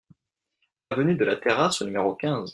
Avenue de la Terrasse au numéro quinze